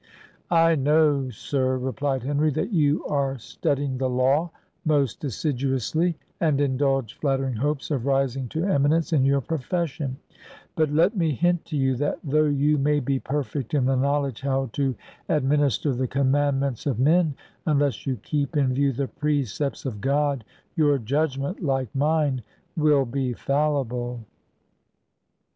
"I know, sir," replied Henry, "that you are studying the law most assiduously, and indulge flattering hopes of rising to eminence in your profession: but let me hint to you that though you may be perfect in the knowledge how to administer the commandments of men, unless you keep in view the precepts of God, your judgment, like mine, will be fallible."